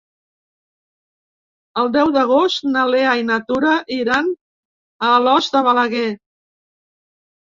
El deu d'agost na Lea i na Tura iran a Alòs de Balaguer.